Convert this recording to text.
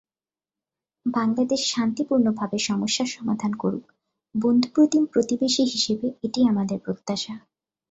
বাংলাদেশ শান্তিপূর্ণভাবে সমস্যার সমাধান করুক, বন্ধুপ্রতিম প্রতিবেশী হিসেবে এটিই আমাদের প্রত্যাশা।